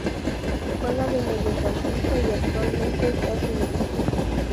Juega de mediocampista y actualmente está sin equipo.